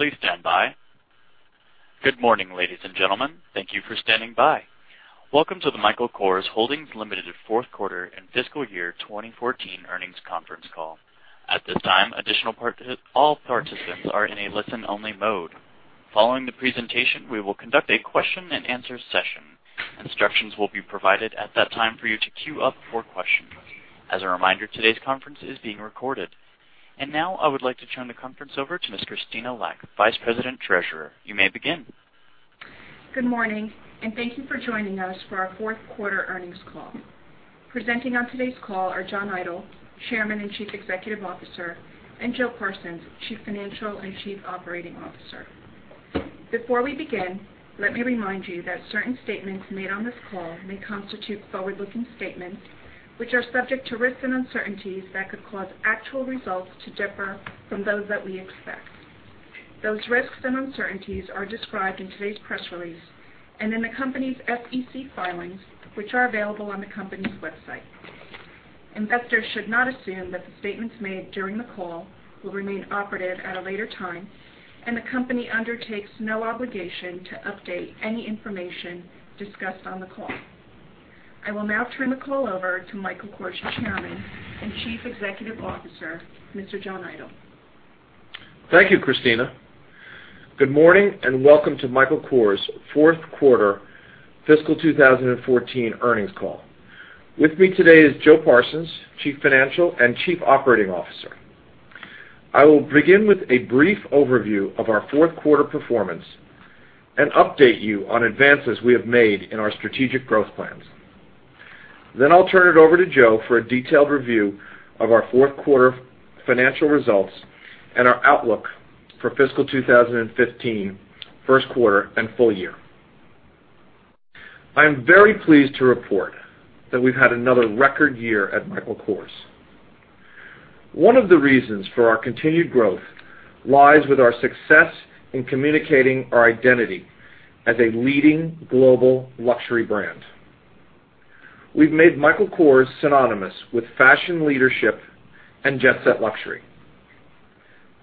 Please stand by. Good morning, ladies and gentlemen. Thank you for standing by. Welcome to the Michael Kors Holdings Limited fourth quarter and fiscal year 2014 earnings conference call. At this time, all participants are in a listen-only mode. Following the presentation, we will conduct a question-and-answer session. Instructions will be provided at that time for you to queue up for questions. As a reminder, today's conference is being recorded. Now I would like to turn the conference over to Ms. Krystyna Lack, Vice President, Treasurer. You may begin. Good morning. Thank you for joining us for our fourth quarter earnings call. Presenting on today's call are John Idol, Chairman and Chief Executive Officer, and Joe Parsons, Chief Financial and Chief Operating Officer. Before we begin, let me remind you that certain statements made on this call may constitute forward-looking statements, which are subject to risks and uncertainties that could cause actual results to differ from those that we expect. Those risks and uncertainties are described in today's press release and in the company's SEC filings, which are available on the company's website. Investors should not assume that the statements made during the call will remain operative at a later time. The company undertakes no obligation to update any information discussed on the call. I will now turn the call over to Michael Kors Chairman and Chief Executive Officer, Mr. John Idol. Thank you, Krystyna. Good morning. Welcome to Michael Kors' fourth quarter fiscal 2014 earnings call. With me today is Joe Parsons, Chief Financial and Chief Operating Officer. I will begin with a brief overview of our fourth quarter performance and update you on advances we have made in our strategic growth plans. I'll turn it over to Joe for a detailed review of our fourth quarter financial results and our outlook for fiscal 2015, first quarter, and full year. I am very pleased to report that we've had another record year at Michael Kors. One of the reasons for our continued growth lies with our success in communicating our identity as a leading global luxury brand. We've made Michael Kors synonymous with fashion leadership and jet-set luxury.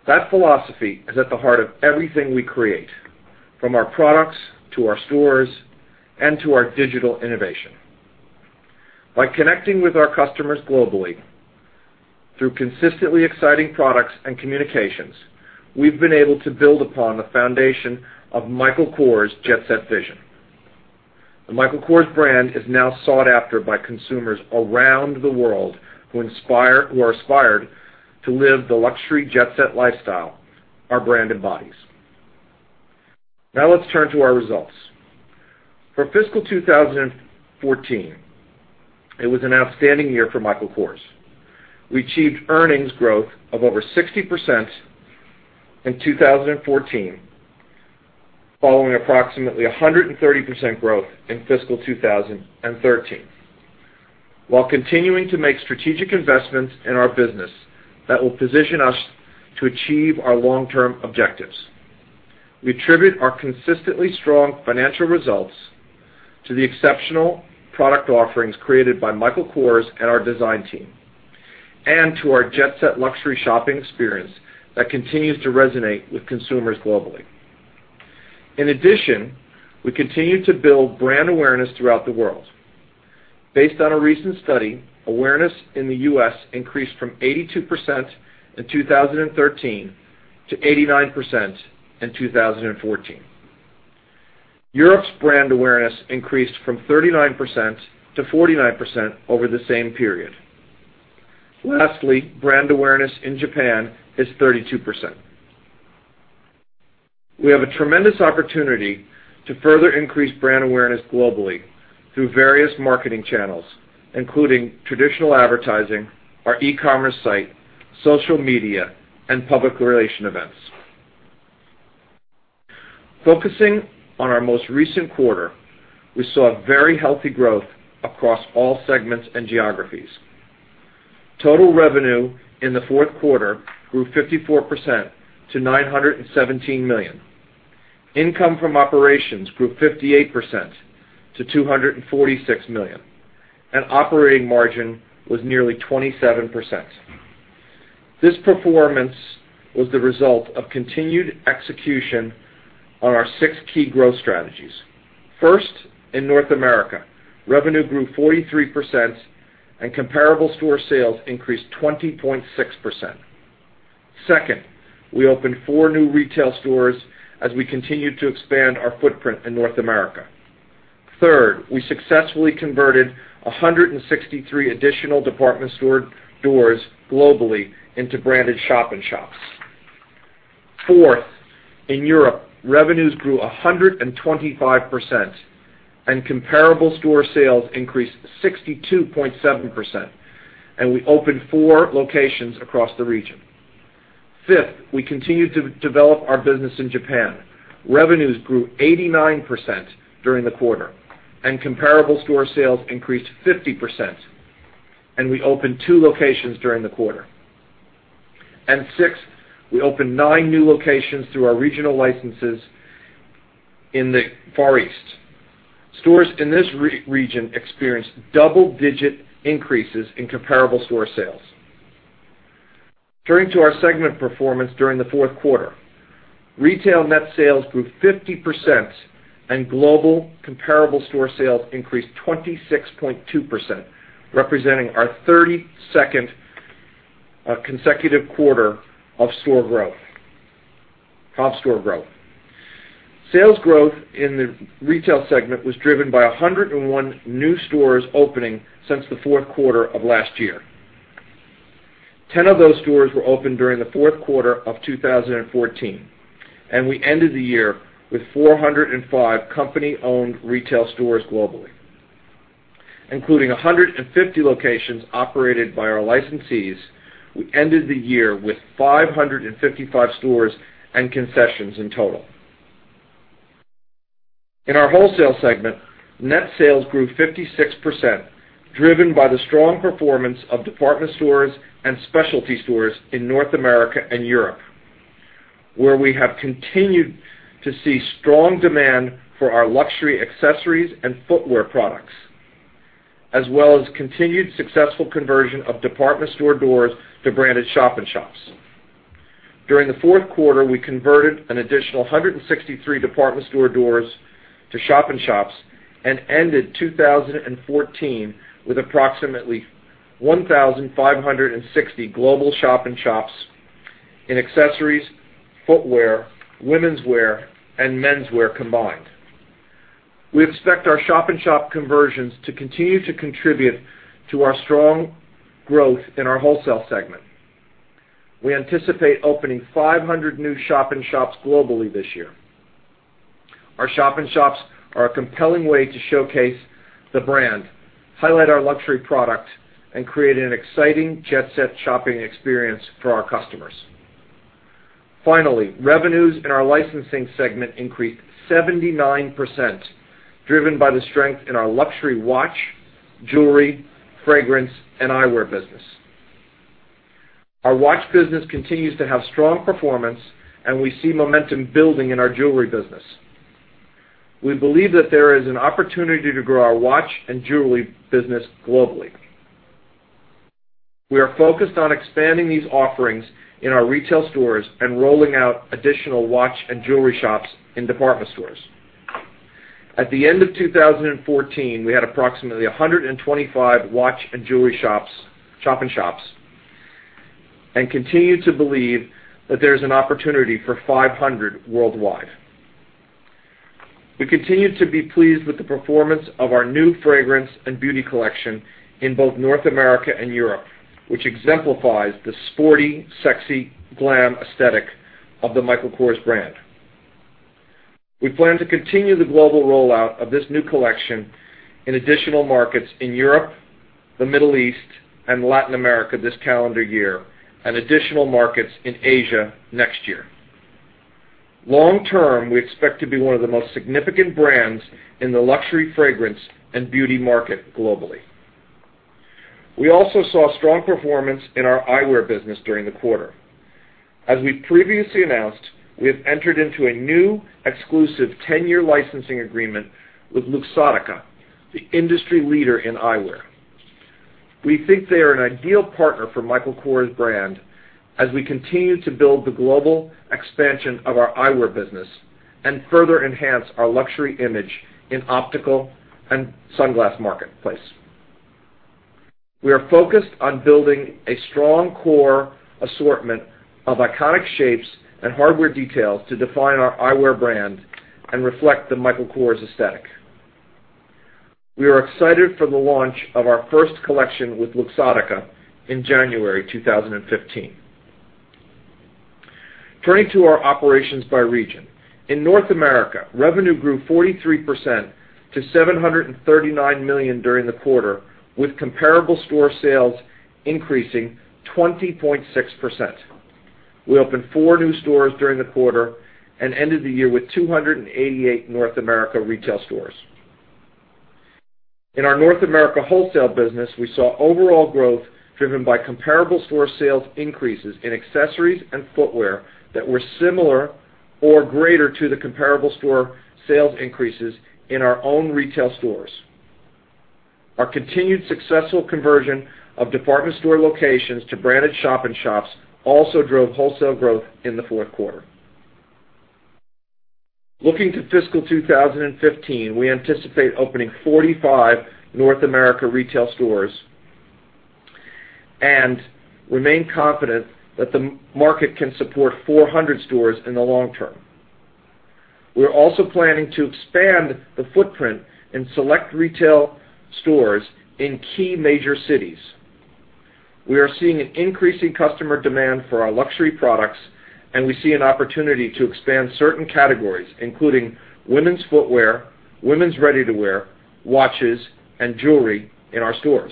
That philosophy is at the heart of everything we create, from our products to our stores and to our digital innovation. By connecting with our customers globally through consistently exciting products and communications, we've been able to build upon the foundation of Michael Kors' jet-set vision. The Michael Kors brand is now sought after by consumers around the world who are aspired to live the luxury jet-set lifestyle our brand embodies. Now let's turn to our results. For fiscal 2014, it was an outstanding year for Michael Kors. We achieved earnings growth of over 60% in 2014, following approximately 130% growth in fiscal 2013, while continuing to make strategic investments in our business that will position us to achieve our long-term objectives. We attribute our consistently strong financial results to the exceptional product offerings created by Michael Kors and our design team and to our jet-set luxury shopping experience that continues to resonate with consumers globally. In addition, we continue to build brand awareness throughout the world. Based on a recent study, awareness in the U.S. increased from 82% in 2013 to 89% in 2014. Europe's brand awareness increased from 39% to 49% over the same period. Lastly, brand awareness in Japan is 32%. We have a tremendous opportunity to further increase brand awareness globally through various marketing channels, including traditional advertising, our e-commerce site, social media, and public relation events. Focusing on our most recent quarter, we saw very healthy growth across all segments and geographies. Total revenue in the fourth quarter grew 54% to $917 million. Income from operations grew 58% to $246 million, and operating margin was nearly 27%. This performance was the result of continued execution on our six key growth strategies. First, in North America, revenue grew 43% and comparable store sales increased 20.6%. Second, we opened four new retail stores as we continued to expand our footprint in North America. Third, we successfully converted 163 additional department store doors globally into branded shop-in-shops. Fourth, in Europe, revenues grew 125% and comparable store sales increased 62.7%, and we opened four locations across the region. Fifth, we continued to develop our business in Japan. Revenues grew 89% during the quarter and comparable store sales increased 50%, and we opened two locations during the quarter. Sixth, we opened nine new locations through our regional licenses In the Far East. Stores in this region experienced double-digit increases in comparable store sales. Turning to our segment performance during the fourth quarter, retail net sales grew 50% and global comparable store sales increased 26.2%, representing our 32nd consecutive quarter of comp store growth. Sales growth in the retail segment was driven by 101 new stores opening since the fourth quarter of last year. Ten of those stores were opened during the fourth quarter of 2014, and we ended the year with 405 company-owned retail stores globally. Including 150 locations operated by our licensees, we ended the year with 555 stores and concessions in total. In our wholesale segment, net sales grew 56%, driven by the strong performance of department stores and specialty stores in North America and Europe, where we have continued to see strong demand for our luxury accessories and footwear products, as well as continued successful conversion of department store doors to branded shop-in-shops. During the fourth quarter, we converted an additional 163 department store doors to shop-in-shops and ended 2014 with approximately 1,560 global shop-in-shops in accessories, footwear, womenswear, and menswear combined. We expect our shop-in-shop conversions to continue to contribute to our strong growth in our wholesale segment. We anticipate opening 500 new shop-in-shops globally this year. Our shop-in-shops are a compelling way to showcase the brand, highlight our luxury product, and create an exciting jet-set shopping experience for our customers. Finally, revenues in our licensing segment increased 79%, driven by the strength in our luxury watch, jewelry, fragrance, and eyewear business. Our watch business continues to have strong performance, and we see momentum building in our jewelry business. We believe that there is an opportunity to grow our watch and jewelry business globally. We are focused on expanding these offerings in our retail stores and rolling out additional watch and jewelry shops in department stores. At the end of 2014, we had approximately 125 watch and jewelry shop-in-shops and continue to believe that there's an opportunity for 500 worldwide. We continue to be pleased with the performance of our new fragrance and beauty collection in both North America and Europe, which exemplifies the sporty, sexy glam aesthetic of the Michael Kors brand. We plan to continue the global rollout of this new collection in additional markets in Europe, the Middle East, and Latin America this calendar year, and additional markets in Asia next year. Long-term, we expect to be one of the most significant brands in the luxury fragrance and beauty market globally. We also saw strong performance in our eyewear business during the quarter. As we've previously announced, we have entered into a new, exclusive 10-year licensing agreement with Luxottica, the industry leader in eyewear. We think they are an ideal partner for Michael Kors brand as we continue to build the global expansion of our eyewear business and further enhance our luxury image in optical and sunglass marketplace. We are focused on building a strong core assortment of iconic shapes and hardware details to define our eyewear brand and reflect the Michael Kors aesthetic. We are excited for the launch of our first collection with Luxottica in January 2015. Turning to our operations by region. In North America, revenue grew 43% to $739 million during the quarter, with comparable store sales increasing 20.6%. We opened four new stores during the quarter and ended the year with 288 North America retail stores. In our North America wholesale business, we saw overall growth driven by comparable store sales increases in accessories and footwear that were similar or greater to the comparable store sales increases in our own retail stores. Our continued successful conversion of department store locations to branded shop-in-shops also drove wholesale growth in the fourth quarter. Looking to fiscal 2015, we anticipate opening 45 North America retail stores and remain confident that the market can support 400 stores in the long term. We're also planning to expand the footprint in select retail stores in key major cities. We are seeing an increasing customer demand for our luxury products, and we see an opportunity to expand certain categories, including women's footwear, women's ready-to-wear, watches, and jewelry in our stores.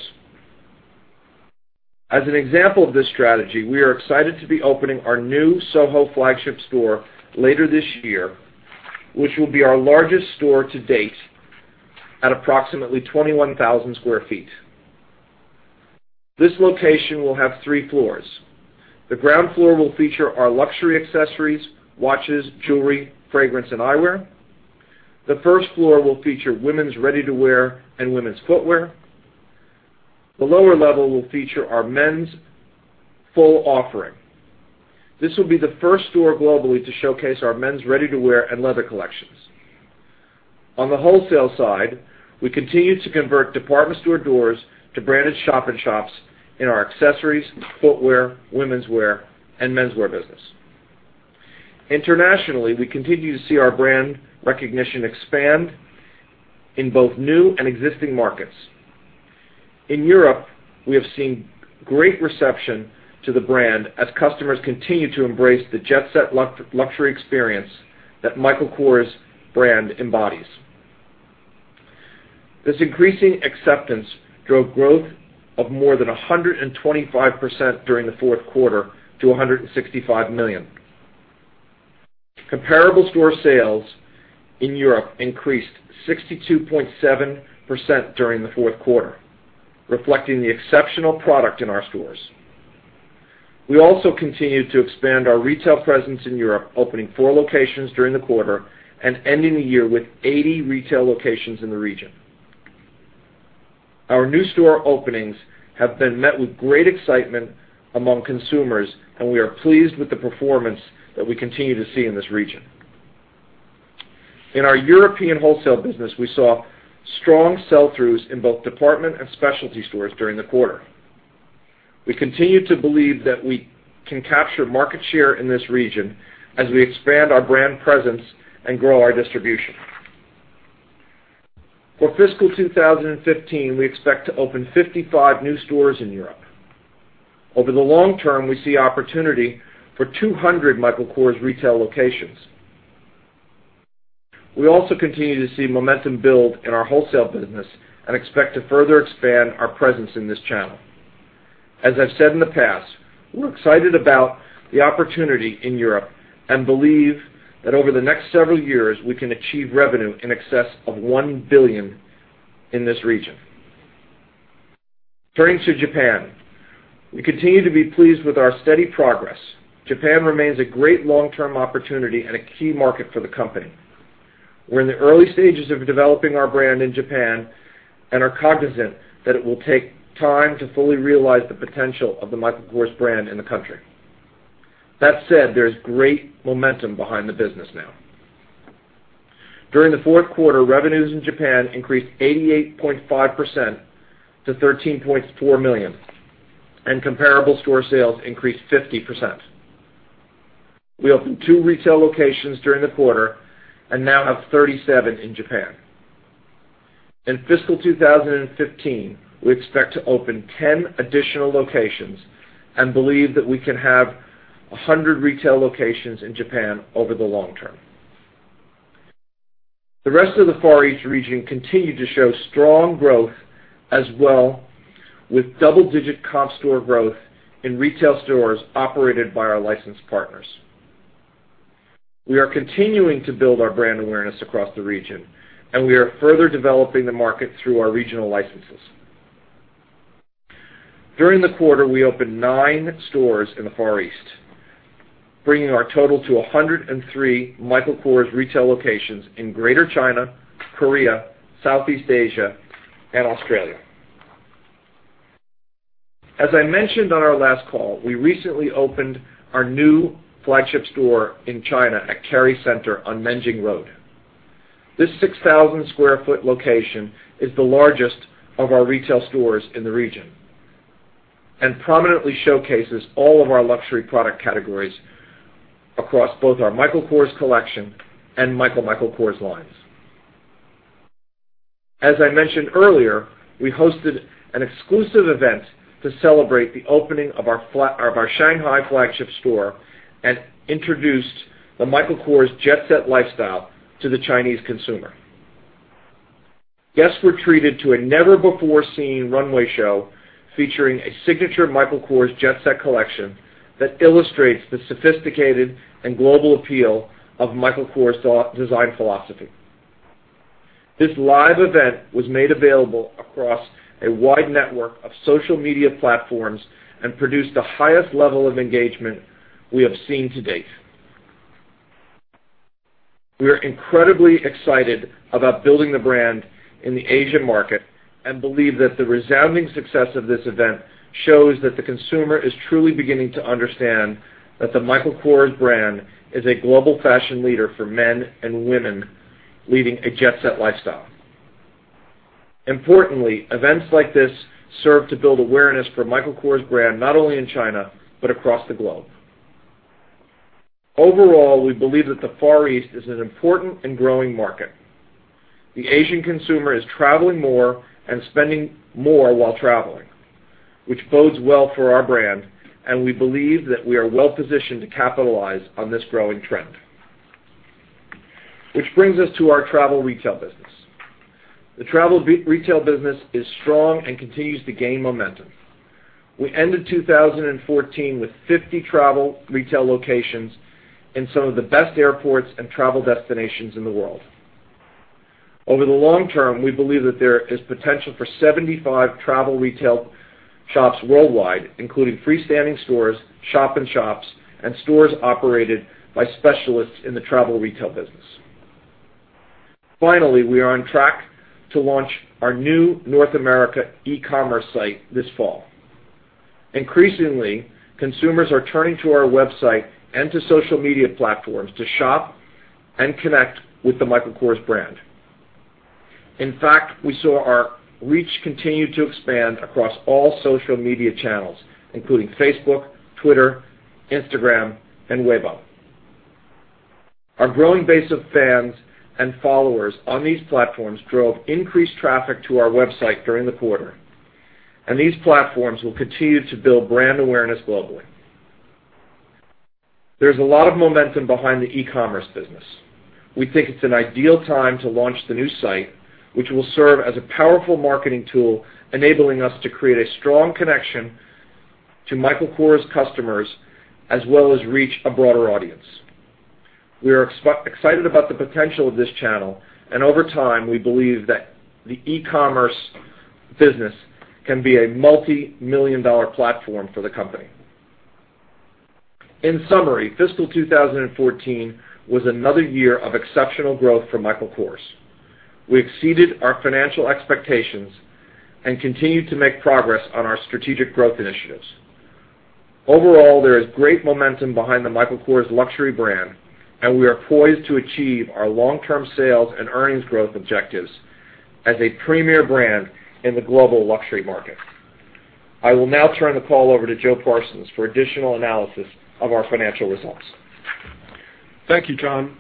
As an example of this strategy, we are excited to be opening our new SoHo flagship store later this year, which will be our largest store to date at approximately 21,000 sq ft. This location will have three floors. The ground floor will feature our luxury accessories, watches, jewelry, fragrance, and eyewear. The first floor will feature women's ready-to-wear and women's footwear. The lower level will feature our men's full offering. This will be the first store globally to showcase our men's ready-to-wear and leather collections. On the wholesale side, we continue to convert department store doors to branded shop-in-shops in our accessories, footwear, womenswear, and menswear business. Internationally, we continue to see our brand recognition expand in both new and existing markets. In Europe, we have seen great reception to the brand as customers continue to embrace the jet-set luxury experience that Michael Kors brand embodies. This increasing acceptance drove growth of more than 125% during the fourth quarter to $165 million. Comparable store sales in Europe increased 62.7% during the fourth quarter, reflecting the exceptional product in our stores. We also continued to expand our retail presence in Europe, opening four locations during the quarter and ending the year with 80 retail locations in the region. Our new store openings have been met with great excitement among consumers, and we are pleased with the performance that we continue to see in this region. In our European wholesale business, we saw strong sell-throughs in both department and specialty stores during the quarter. We continue to believe that we can capture market share in this region as we expand our brand presence and grow our distribution. For fiscal 2015, we expect to open 55 new stores in Europe. Over the long term, we see opportunity for 200 Michael Kors retail locations. We also continue to see momentum build in our wholesale business and expect to further expand our presence in this channel. As I've said in the past, we're excited about the opportunity in Europe and believe that over the next several years, we can achieve revenue in excess of $1 billion in this region. Turning to Japan. We continue to be pleased with our steady progress. Japan remains a great long-term opportunity and a key market for the company. We're in the early stages of developing our brand in Japan, and are cognizant that it will take time to fully realize the potential of the Michael Kors brand in the country. That said, there's great momentum behind the business now. During the fourth quarter, revenues in Japan increased 88.5% to $13.4 million, and comparable store sales increased 50%. We opened two retail locations during the quarter and now have 37 in Japan. In fiscal 2015, we expect to open 10 additional locations and believe that we can have 100 retail locations in Japan over the long term. The rest of the Far East region continued to show strong growth as well, with double-digit comp store growth in retail stores operated by our licensed partners. We are continuing to build our brand awareness across the region, and we are further developing the market through our regional licenses. During the quarter, we opened nine stores in the Far East, bringing our total to 103 Michael Kors retail locations in Greater China, Korea, Southeast Asia, and Australia. As I mentioned on our last call, we recently opened our new flagship store in China at Kerry Center on Nanjing Road. This 6,000 square foot location is the largest of our retail stores in the region and prominently showcases all of our luxury product categories across both our Michael Kors Collection and MICHAEL Michael Kors lines. As I mentioned earlier, we hosted an exclusive event to celebrate the opening of our Shanghai flagship store and introduced the Michael Kors jet-set lifestyle to the Chinese consumer. Guests were treated to a never-before-seen runway show featuring a signature Michael Kors jet-set collection that illustrates the sophisticated and global appeal of Michael Kors' design philosophy. This live event was made available across a wide network of social media platforms and produced the highest level of engagement we have seen to date. We are incredibly excited about building the brand in the Asian market and believe that the resounding success of this event shows that the consumer is truly beginning to understand that the Michael Kors brand is a global fashion leader for men and women leading a jet-set lifestyle. Importantly, events like this serve to build awareness for Michael Kors' brand, not only in China but across the globe. Overall, we believe that the Far East is an important and growing market. The Asian consumer is traveling more and spending more while traveling, which bodes well for our brand, and we believe that we are well positioned to capitalize on this growing trend. Which brings us to our travel retail business. The travel retail business is strong and continues to gain momentum. We ended 2014 with 50 travel retail locations in some of the best airports and travel destinations in the world. Over the long term, we believe that there is potential for 75 travel retail shops worldwide, including freestanding stores, shop in shops, and stores operated by specialists in the travel retail business. Finally, we are on track to launch our new North America e-commerce site this fall. Increasingly, consumers are turning to our website and to social media platforms to shop and connect with the Michael Kors brand. In fact, we saw our reach continue to expand across all social media channels, including Facebook, Twitter, Instagram, and Weibo. Our growing base of fans and followers on these platforms drove increased traffic to our website during the quarter, and these platforms will continue to build brand awareness globally. There is a lot of momentum behind the e-commerce business. We think it is an ideal time to launch the new site, which will serve as a powerful marketing tool, enabling us to create a strong connection to Michael Kors customers, as well as reach a broader audience. We are excited about the potential of this channel, and over time, we believe that the e-commerce business can be a $multi-million platform for the company. In summary, fiscal 2014 was another year of exceptional growth for Michael Kors. We exceeded our financial expectations and continued to make progress on our strategic growth initiatives. Overall, there is great momentum behind the Michael Kors luxury brand, and we are poised to achieve our long-term sales and earnings growth objectives as a premier brand in the global luxury market. I will now turn the call over to Joe Parsons for additional analysis of our financial results. Thank you, John.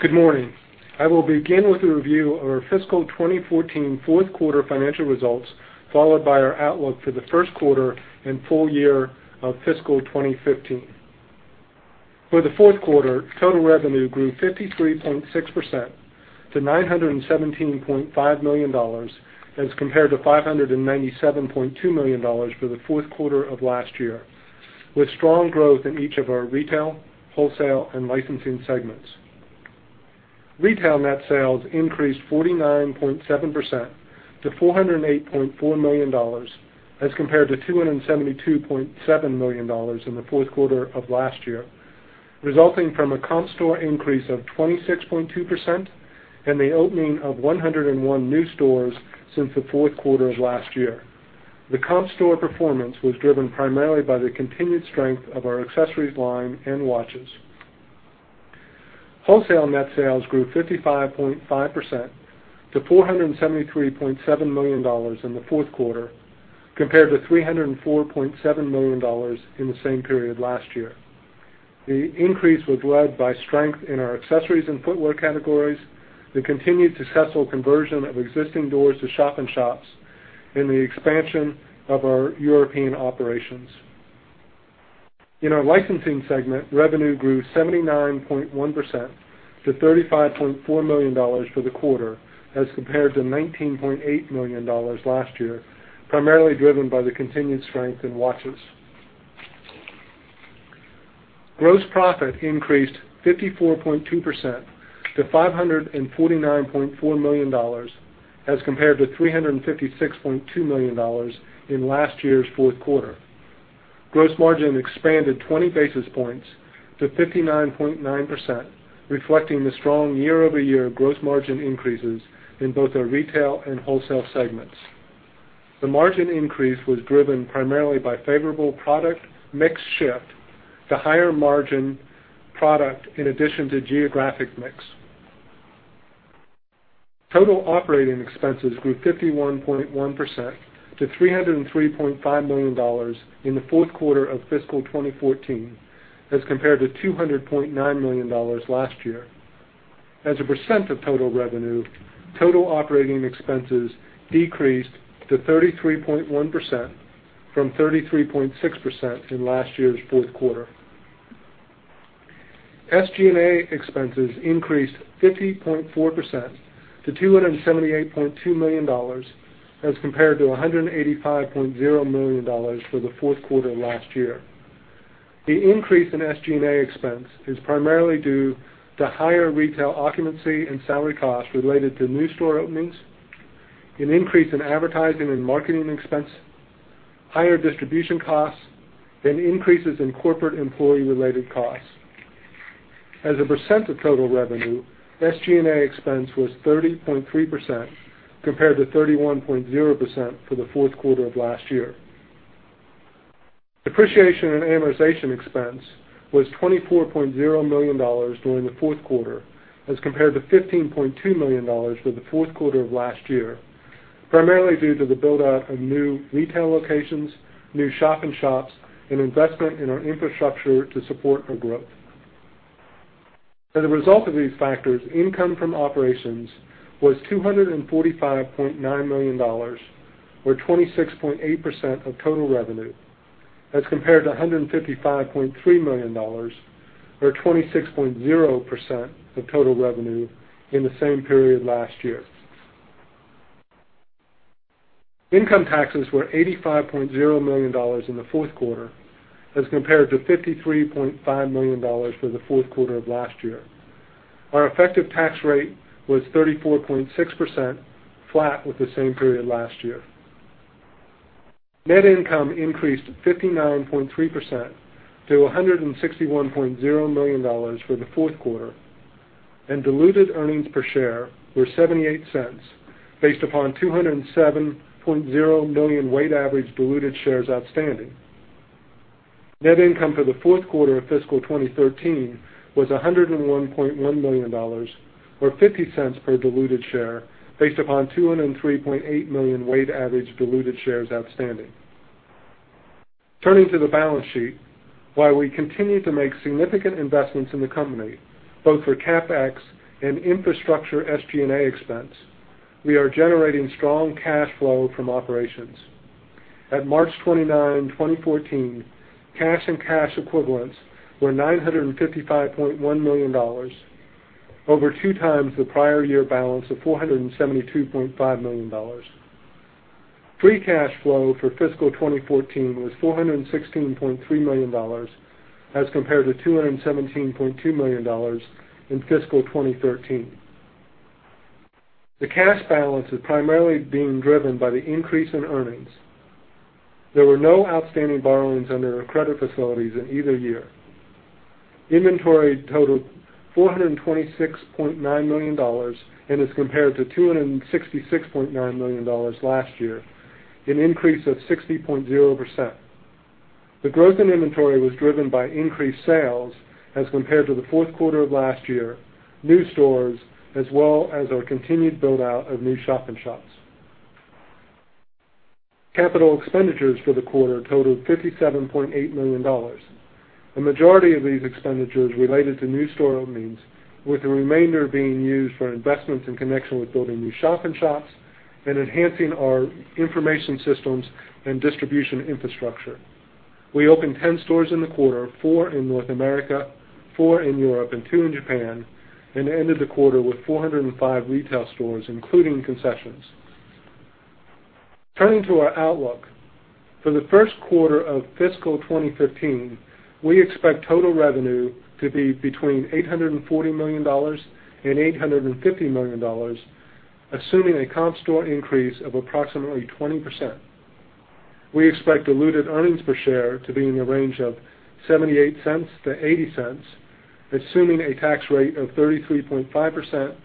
Good morning. I will begin with a review of our fiscal 2014 fourth quarter financial results, followed by our outlook for the first quarter and full year of fiscal 2015. For the fourth quarter, total revenue grew 53.6% to $917.5 million as compared to $597.2 million for the fourth quarter of last year, with strong growth in each of our retail, wholesale, and licensing segments. Retail net sales increased 49.7% to $408.4 million as compared to $272.7 million in the fourth quarter of last year, resulting from a comp store increase of 26.2% and the opening of 101 new stores since the fourth quarter of last year. The comp store performance was driven primarily by the continued strength of our accessories line and watches. Wholesale net sales grew 55.5% to $473.7 million in the fourth quarter, compared to $304.7 million in the same period last year. The increase was led by strength in our accessories and footwear categories, the continued successful conversion of existing doors to shop in shops, and the expansion of our European operations. In our licensing segment, revenue grew 79.1% to $35.4 million for the quarter as compared to $19.8 million last year, primarily driven by the continued strength in watches. Gross profit increased 54.2% to $549.4 million as compared to $356.2 million in last year's fourth quarter. Gross margin expanded 20 basis points to 59.9%, reflecting the strong year-over-year gross margin increases in both our retail and wholesale segments. The margin increase was driven primarily by favorable product mix shift to higher margin product in addition to geographic mix. Total operating expenses grew 51.1% to $303.5 million in the fourth quarter of fiscal 2014 as compared to $200.9 million last year. As a percent of total revenue, total operating expenses decreased to 33.1% from 33.6% in last year's fourth quarter. SG&A expenses increased 50.4% to $278.2 million as compared to $185.0 million for the fourth quarter last year. The increase in SG&A expense is primarily due to higher retail occupancy and salary costs related to new store openings, an increase in advertising and marketing expense, higher distribution costs, and increases in corporate employee-related costs. As a percent of total revenue, SG&A expense was 30.3% compared to 31.0% for the fourth quarter of last year. Depreciation and amortization expense was $24.0 million during the fourth quarter as compared to $15.2 million for the fourth quarter of last year, primarily due to the build-out of new retail locations, new shop in shops, and investment in our infrastructure to support our growth. As a result of these factors, income from operations was $245.9 million or 26.8% of total revenue as compared to $155.3 million or 26.0% of total revenue in the same period last year. Income taxes were $85.0 million in the fourth quarter as compared to $53.5 million for the fourth quarter of last year. Our effective tax rate was 34.6%, flat with the same period last year. Net income increased 59.3% to $161.0 million for the fourth quarter, and diluted earnings per share were $0.78, based upon 207.0 million weighted-average diluted shares outstanding. Net income for the fourth quarter of fiscal 2013 was $101.1 million, or $0.50 per diluted share, based upon 203.8 million weighted-average diluted shares outstanding. Turning to the balance sheet. While we continue to make significant investments in the company, both for CapEx and infrastructure SG&A expense, we are generating strong cash flow from operations. At March 29, 2014, cash and cash equivalents were $955.1 million, over two times the prior year balance of $472.5 million. Free cash flow for fiscal 2014 was $416.3 million as compared to $217.2 million in fiscal 2013. The cash balance is primarily being driven by the increase in earnings. There were no outstanding borrowings under our credit facilities in either year. Inventory totaled $426.9 million and is compared to $266.9 million last year, an increase of 60.0%. The growth in inventory was driven by increased sales as compared to the fourth quarter of last year, new stores, as well as our continued build-out of new shop-in-shops. Capital expenditures for the quarter totaled $57.8 million. The majority of these expenditures related to new store openings, with the remainder being used for investments in connection with building new shop-in-shops and enhancing our information systems and distribution infrastructure. We opened 10 stores in the quarter, four in North America, four in Europe, and two in Japan, and ended the quarter with 405 retail stores, including concessions. Turning to our outlook. For the first quarter of fiscal 2015, we expect total revenue to be between $840 million and $850 million, assuming a comp store increase of approximately 20%. We expect diluted earnings per share to be in the range of $0.78-$0.80, assuming a tax rate of 33.5%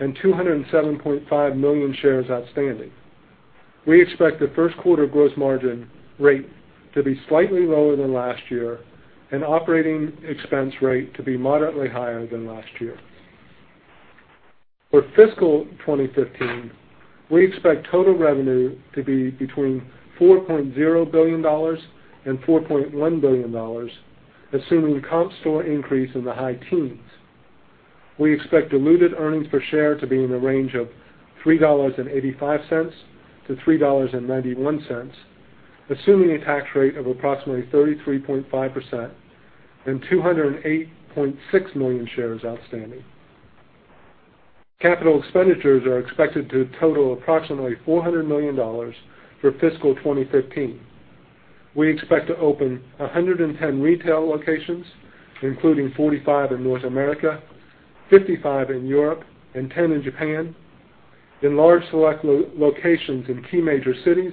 and 207.5 million shares outstanding. We expect the first quarter gross margin rate to be slightly lower than last year and operating expense rate to be moderately higher than last year. For fiscal 2015, we expect total revenue to be between $4.0 billion and $4.1 billion, assuming a comp store increase in the high teens. We expect diluted earnings per share to be in the range of $3.85-$3.91, assuming a tax rate of approximately 33.5% and 208.6 million shares outstanding. Capital expenditures are expected to total approximately $400 million for fiscal 2015. We expect to open 110 retail locations, including 45 in North America, 55 in Europe, and 10 in Japan, in large select locations in key major cities,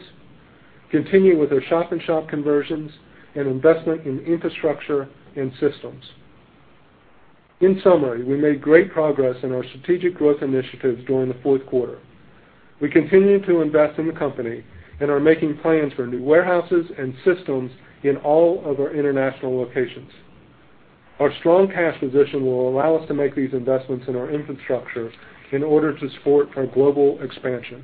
continue with our shop-in-shop conversions and investment in infrastructure and systems. In summary, we made great progress in our strategic growth initiatives during the fourth quarter. We continue to invest in the company and are making plans for new warehouses and systems in all of our international locations. Our strong cash position will allow us to make these investments in our infrastructure in order to support our global expansion.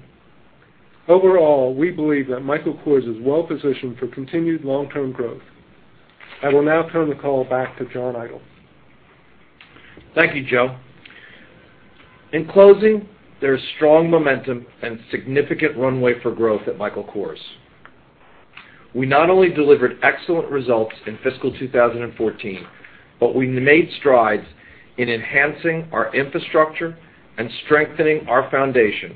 Overall, we believe that Michael Kors is well positioned for continued long-term growth. I will now turn the call back to John Idol. Thank you, Joe. In closing, there is strong momentum and significant runway for growth at Michael Kors. We not only delivered excellent results in fiscal 2014, but we made strides in enhancing our infrastructure and strengthening our foundation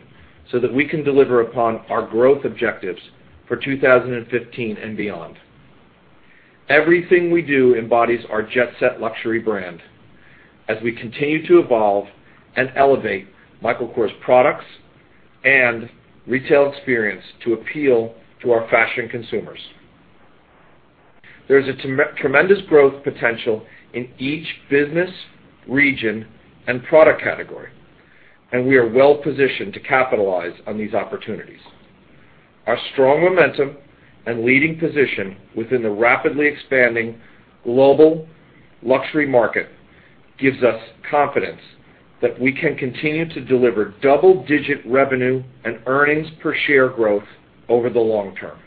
so that we can deliver upon our growth objectives for 2015 and beyond. Everything we do embodies our jet-set luxury brand as we continue to evolve and elevate Michael Kors products and retail experience to appeal to our fashion consumers. There is a tremendous growth potential in each business, region, and product category, and we are well positioned to capitalize on these opportunities. Our strong momentum and leading position within the rapidly expanding global luxury market gives us confidence that we can continue to deliver double-digit revenue and earnings per share growth over the long term.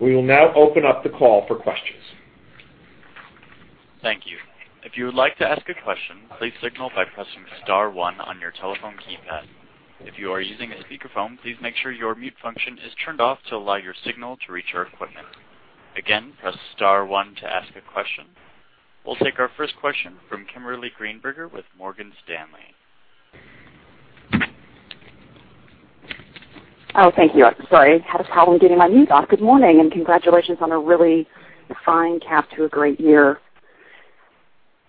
We will now open up the call for questions. Thank you. If you would like to ask a question, please signal by pressing *1 on your telephone keypad. If you are using a speakerphone, please make sure your mute function is turned off to allow your signal to reach our equipment. Again, press *1 to ask a question. We'll take our first question from Kimberly Greenberger with Morgan Stanley. Oh, thank you. Sorry, had a problem getting my mute off. Good morning, congratulations on a really fine cap to a great year.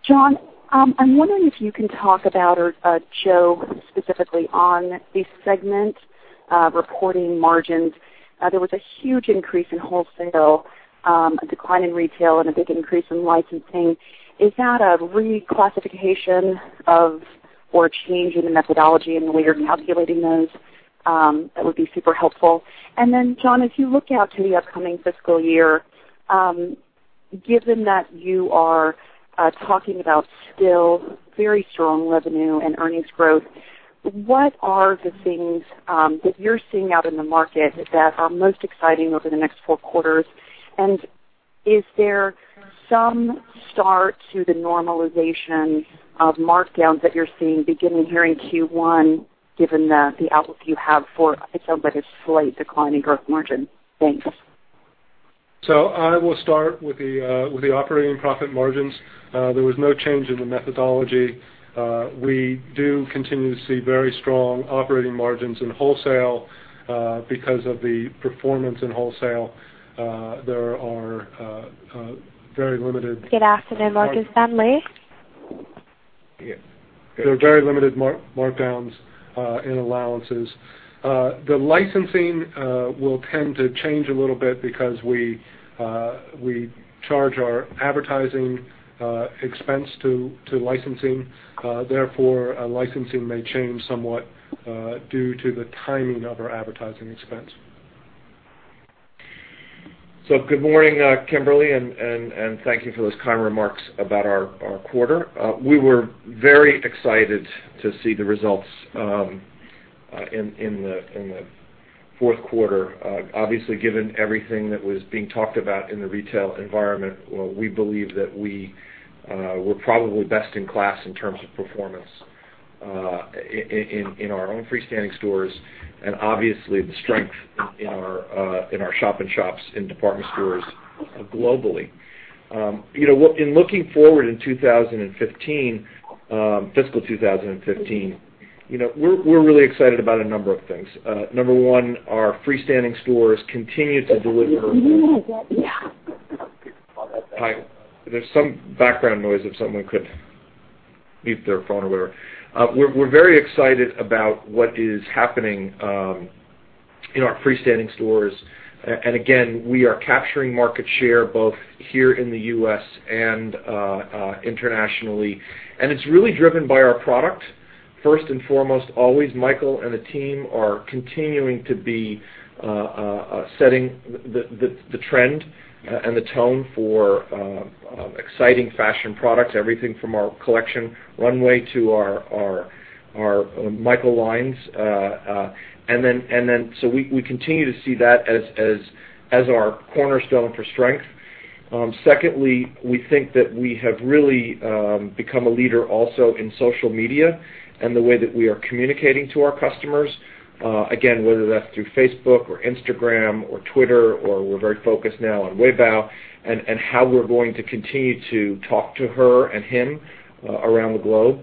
John, I'm wondering if you can talk about or Joe specifically on the segment reporting margins. There was a huge increase in wholesale, a decline in retail, and a big increase in licensing. Is that a reclassification of or change in the methodology in the way you're calculating those? That would be super helpful. John, as you look out to the upcoming fiscal year, given that you are talking about still very strong revenue and earnings growth, what are the things that you're seeing out in the market that are most exciting over the next four quarters? Is there some start to the normalization of markdowns that you're seeing beginning here in Q1 given the outlook you have for I think a little bit of slight decline in gross margin? Thanks. I will start with the operating profit margins. There was no change in the methodology. We do continue to see very strong operating margins in wholesale, because of the performance in wholesale. There are very limited- Good afternoon, Morgan Stanley. There are very limited markdowns in allowances. The licensing will tend to change a little bit because we charge our advertising expense to licensing. Licensing may change somewhat, due to the timing of our advertising expense. Good morning, Kimberly, thank you for those kind remarks about our quarter. We were very excited to see the results in the fourth quarter. Obviously, given everything that was being talked about in the retail environment, we believe that we were probably best in class in terms of performance, in our own freestanding stores and obviously the strength in our shop-in-shops in department stores globally. Looking forward in 2015, fiscal 2015, we're really excited about a number of things. Number one, our freestanding stores continue to deliver There's some background noise. If someone could mute their phone or whatever. We're very excited about what is happening in our freestanding stores. Again, we are capturing market share both here in the U.S. and internationally, and it's really driven by our product. First and foremost, always Michael and the team are continuing to be setting the trend and the tone for exciting fashion products, everything from our collection runway to our Michael lines. We continue to see that as our cornerstone for strength. Secondly, we think that we have really become a leader also in social media and the way that we are communicating to our customers, again, whether that's through Facebook or Instagram or Twitter or we're very focused now on Weibo and how we're going to continue to talk to her and him around the globe.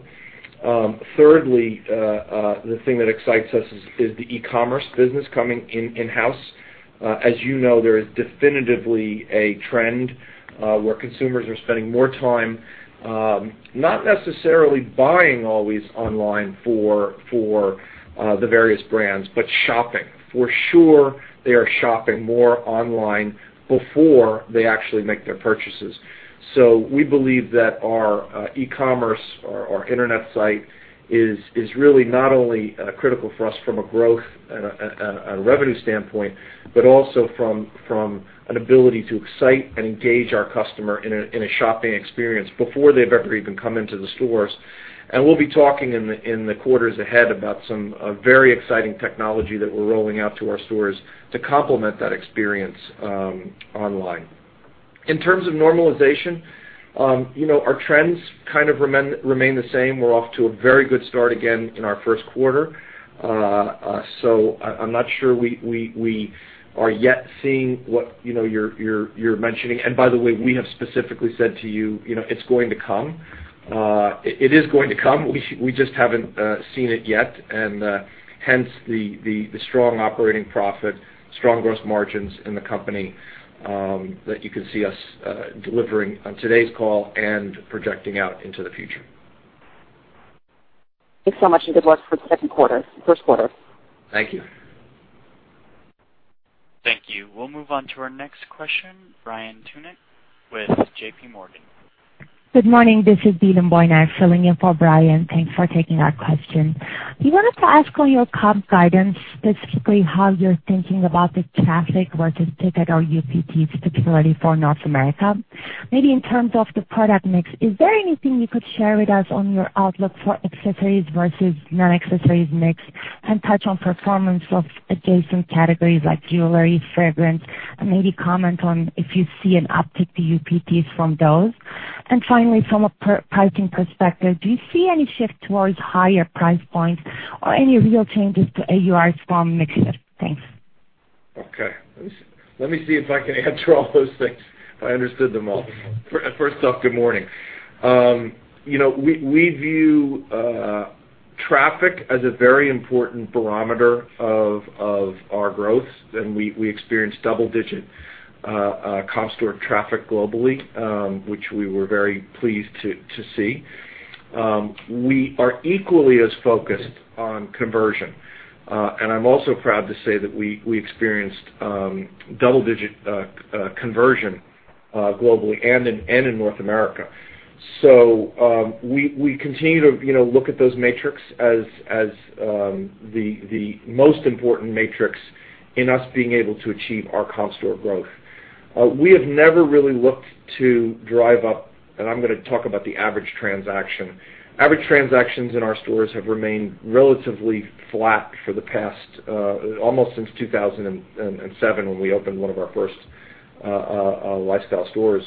Thirdly, the thing that excites us is the e-commerce business coming in-house. As you know, there is definitively a trend where consumers are spending more time not necessarily buying always online for the various brands, but shopping. For sure, they are shopping more online before they actually make their purchases. We believe that our e-commerce, our internet site is really not only critical for us from a growth and a revenue standpoint, but also from an ability to excite and engage our customer in a shopping experience before they've ever even come into the stores. We'll be talking in the quarters ahead about some very exciting technology that we're rolling out to our stores to complement that experience online. In terms of normalization, our trends kind of remain the same. We're off to a very good start again in our first quarter. I'm not sure we are yet seeing what you're mentioning. By the way, we have specifically said to you, it's going to come. It is going to come, we just haven't seen it yet. Hence the strong operating profit, strong gross margins in the company that you can see us delivering on today's call and projecting out into the future. Thanks so much, good luck for the second quarter, first quarter. Thank you. Thank you. We'll move on to our next question, Brian Tunick with JPMorgan. Good morning. This is Dillon Boyer filling in for Brian. Thanks for taking our question. We wanted to ask on your comp guidance, specifically how you're thinking about the traffic versus ticket or UPTs, particularly for North America. Maybe in terms of the product mix, is there anything you could share with us on your outlook for accessories versus non-accessories mix and touch on performance of adjacent categories like jewelry, fragrance, and maybe comment on if you see an uptick to UPTs from those. Finally, from a pricing perspective, do you see any shift towards higher price points or any real changes to AURs from mix shift? Thanks. Okay. Let me see if I can answer all those things, if I understood them all. First off, good morning. We view traffic as a very important barometer of our growth. We experienced double-digit comp store traffic globally, which we were very pleased to see. We are equally as focused on conversion. I'm also proud to say that we experienced double-digit conversion globally and in North America. We continue to look at those metrics as the most important metrics in us being able to achieve our comp store growth. We have never really looked to drive up, and I'm going to talk about the average transaction. Average transactions in our stores have remained relatively flat for the past, almost since 2007, when we opened one of our first lifestyle stores.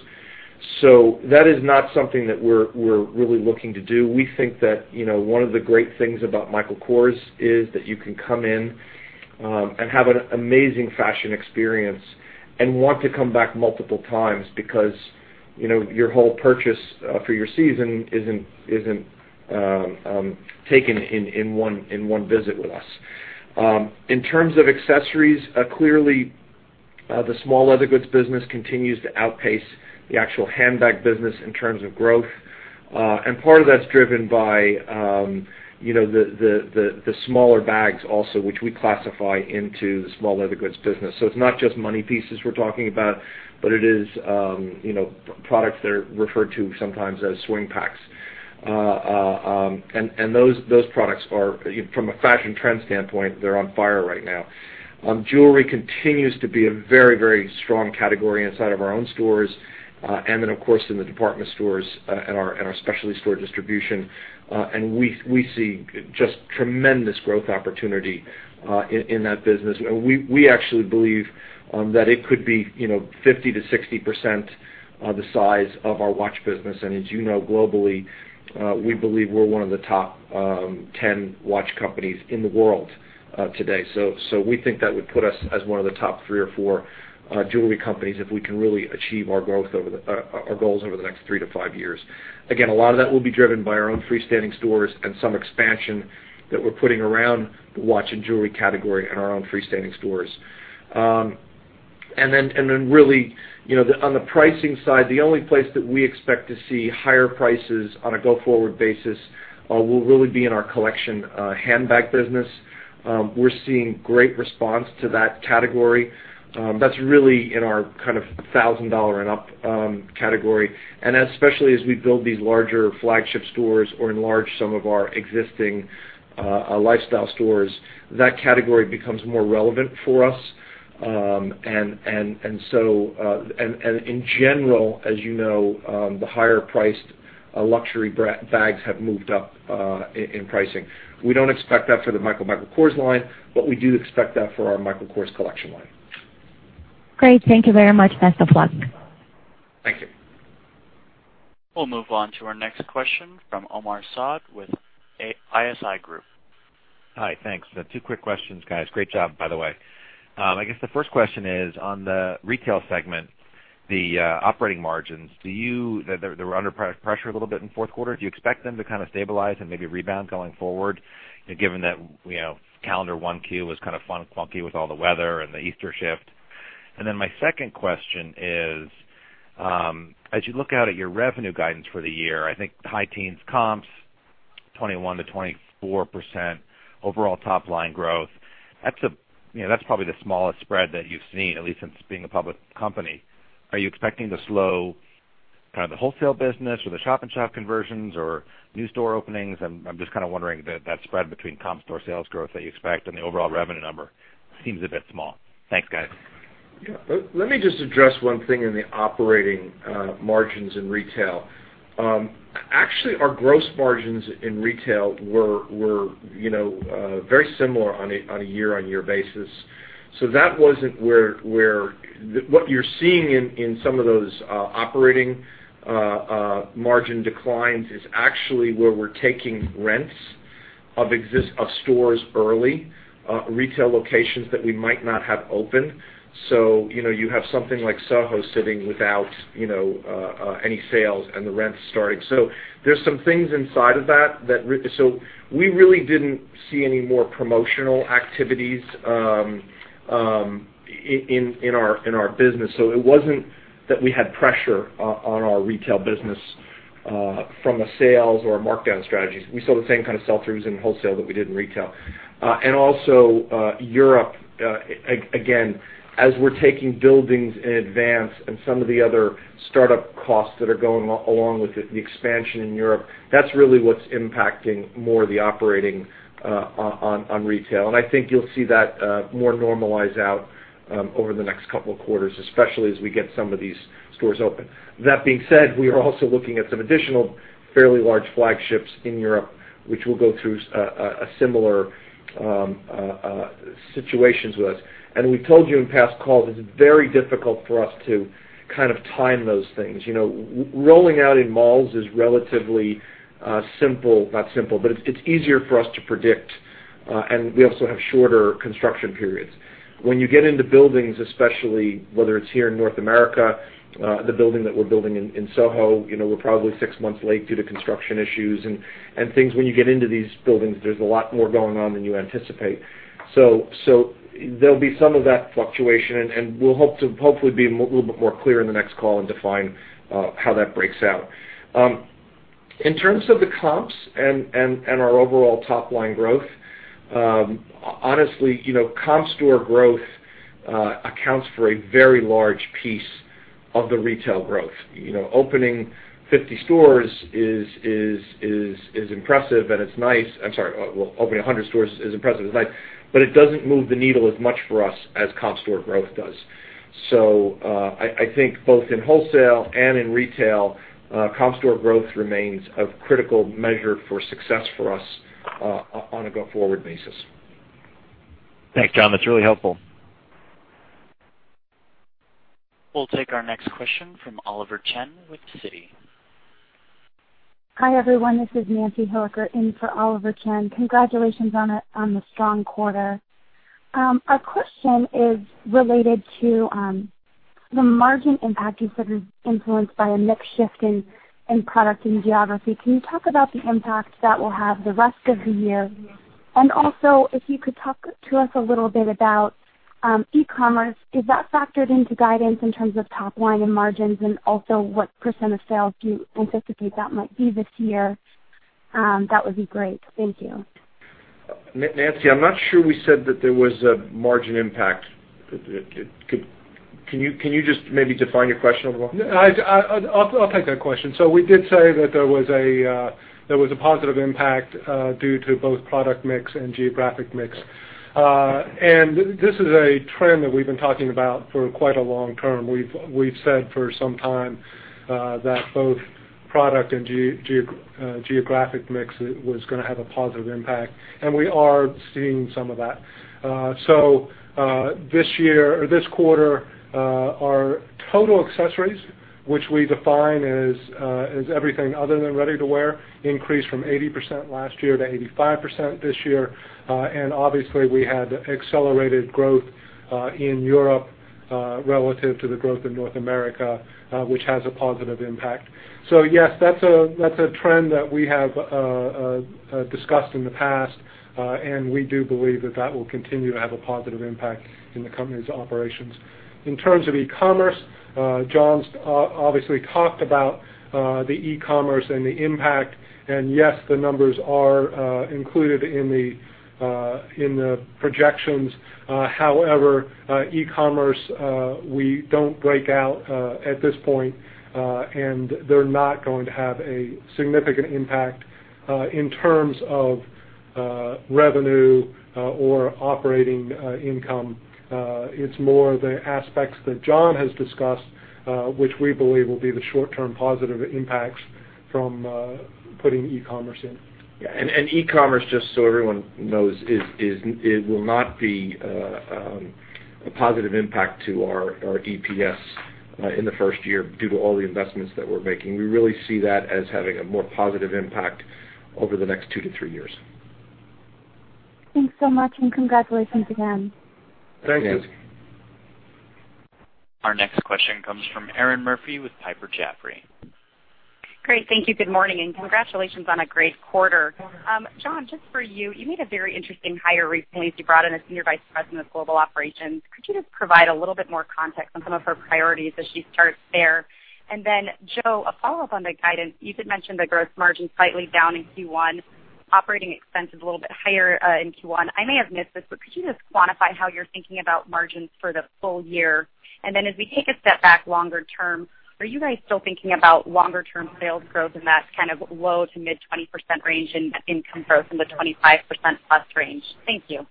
That is not something that we're really looking to do. We think that one of the great things about Michael Kors is that you can come in and have an amazing fashion experience and want to come back multiple times because your whole purchase for your season isn't taken in one visit with us. In terms of accessories, clearly, the small leather goods business continues to outpace the actual handbag business in terms of growth. Part of that's driven by the smaller bags also, which we classify into the small leather goods business. It's not just money pieces we're talking about, but it is products that are referred to sometimes as swing packs. Those products are, from a fashion trend standpoint, they're on fire right now. Jewelry continues to be a very strong category inside of our own stores, and then, of course, in the department stores and our specialty store distribution. We see just tremendous growth opportunity in that business. We actually believe that it could be 50%-60% the size of our watch business. As you know, globally, we believe we're one of the top 10 watch companies in the world today. We think that would put us as one of the top three or four jewelry companies if we can really achieve our goals over the next three to five years. Again, a lot of that will be driven by our own freestanding stores and some expansion that we're putting around the watch and jewelry category in our own freestanding stores. Then really, on the pricing side, the only place that we expect to see higher prices on a go-forward basis will really be in our Collection handbag business. We're seeing great response to that category. That's really in our $1,000 and up category. Especially as we build these larger flagship stores or enlarge some of our existing lifestyle stores, that category becomes more relevant for us. In general, as you know, the higher priced luxury bags have moved up in pricing. We don't expect that for the MICHAEL Michael Kors line, but we do expect that for our Michael Kors Collection line. Great. Thank you very much. Best of luck. Thank you. We'll move on to our next question from Omar Saad with ISI Group. Hi, thanks. Two quick questions, guys. Great job, by the way. I guess the first question is on the retail segment, the operating margins. They were under pressure a little bit in the fourth quarter. Do you expect them to stabilize and maybe rebound going forward, given that calendar 1Q was kind of funky with all the weather and the Easter shift? My second question is as you look out at your revenue guidance for the year, I think high teens comps, 21%-24% overall top-line growth. That's probably the smallest spread that you've seen, at least since being a public company. Are you expecting to slow the wholesale business or the shop-in-shop conversions or new store openings? I'm just kind of wondering that spread between comp store sales growth that you expect and the overall revenue number seems a bit small. Thanks, guys. Yeah. Let me just address one thing in the operating margins in retail. Actually, our gross margins in retail were very similar on a year-on-year basis. What you're seeing in some of those operating margin declines is actually where we're taking rents of stores early, retail locations that we might not have opened. You have something like SoHo sitting without any sales and the rent starting. There's some things inside of that. We really didn't see any more promotional activities in our business. It wasn't that we had pressure on our retail business from a sales or a markdown strategies. We saw the same kind of sell-throughs in wholesale that we did in retail. Also Europe, again, as we're taking buildings in advance and some of the other startup costs that are going along with the expansion in Europe, that's really what's impacting more of the operating on retail. I think you'll see that more normalize out over the next couple of quarters, especially as we get some of these stores open. That being said, we are also looking at some additional fairly large flagships in Europe, which will go through similar situations with us. We told you in past calls, it's very difficult for us to kind of time those things. Rolling out in malls is relatively not simple, but it's easier for us to predict. We also have shorter construction periods. When you get into buildings, especially, whether it's here in North America, the building that we're building in SoHo, we're probably 6 months late due to construction issues and things. When you get into these buildings, there's a lot more going on than you anticipate. There'll be some of that fluctuation, and we'll hope to hopefully be a little bit more clear in the next call and define how that breaks out. In terms of the comps and our overall top-line growth, honestly, comp store growth accounts for a very large piece of the retail growth. Opening 50 stores is impressive, and it's nice. I'm sorry. Well, opening 100 stores is impressive, it's nice, but it doesn't move the needle as much for us as comp store growth does. I think both in wholesale and in retail, comp store growth remains a critical measure for success for us on a go-forward basis. Thanks, John. That's really helpful. We'll take our next question from Oliver Chen with Citi. Hi, everyone. This is Nancy Hilliker in for Oliver Chen. Congratulations on the strong quarter. Our question is related to the margin impact you said is influenced by a mix shift in product and geography. Can you talk about the impact that will have the rest of the year? If you could talk to us a little bit about e-commerce. Is that factored into guidance in terms of top line and margins, and also what % of sales do you anticipate that might be this year? That would be great. Thank you. Nancy, I'm not sure we said that there was a margin impact. Can you just maybe define your question a little? I'll take that question. We did say that there was a positive impact due to both product mix and geographic mix. This is a trend that we've been talking about for quite a long term. We've said for some time that both product and geographic mix was going to have a positive impact. We are seeing some of that. This quarter, our total accessories, which we define as everything other than ready-to-wear, increased from 80% last year to 85% this year. Obviously, we had accelerated growth in Europe relative to the growth in North America, which has a positive impact. Yes, that's a trend that we have discussed in the past. We do believe that that will continue to have a positive impact in the company's operations. In terms of e-commerce, John Idol's obviously talked about the e-commerce and the impact, and yes, the numbers are included in the projections. However, e-commerce, we don't break out at this point, and they're not going to have a significant impact in terms of revenue or operating income. It's more the aspects that John Idol has discussed, which we believe will be the short-term positive impacts from putting e-commerce in. Yeah. E-commerce, just so everyone knows, it will not be a positive impact to our EPS in the first year due to all the investments that we're making. We really see that as having a more positive impact over the next two to three years. Thanks so much. Congratulations again. Thank you. Thanks. Our next question comes from Erinn Murphy with Piper Jaffray. Great. Thank you. Good morning, and congratulations on a great quarter. John, just for you made a very interesting hire recently as you brought in a senior vice president of global operations. Could you just provide a little bit more context on some of her priorities as she starts there? Joe, a follow-up on the guidance. You did mention the gross margin slightly down in Q1, operating expense is a little bit higher in Q1. I may have missed this, could you just quantify how you're thinking about margins for the full year? As we take a step back longer-term, are you guys still thinking about longer-term sales growth in that kind of low to mid 20% range and income growth in the 25% plus range? Thank you.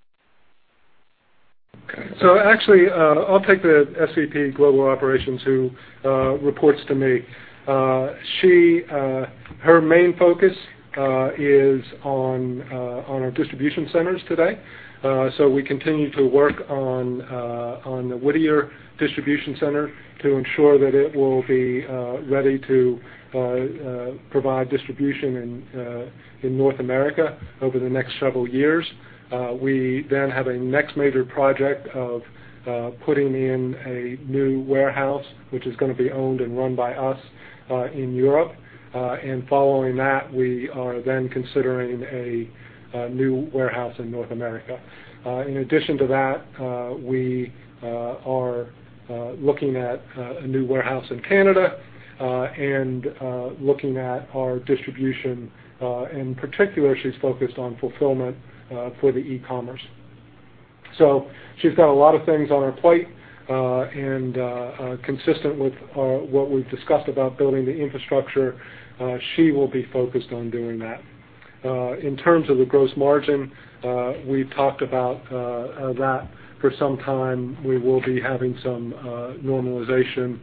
Actually, I'll take the SVP global operations who reports to me. Her main focus is on our distribution centers today. We continue to work on the Whittier distribution center to ensure that it will be ready to provide distribution in North America over the next several years. We have a next major project of putting in a new warehouse, which is going to be owned and run by us in Europe. Following that, we are considering a new warehouse in North America. In addition to that, we are looking at a new warehouse in Canada, and looking at our distribution. In particular, she's focused on fulfillment for the e-commerce. She's got a lot of things on her plate, and consistent with what we've discussed about building the infrastructure, she will be focused on doing that. In terms of the gross margin, we've talked about that for some time. We will be having some normalization,